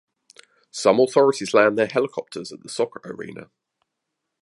Some authorities land their helicopters at the Soccer Arena.